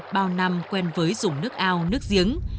bao năm quen với dùng nước ao nước giếng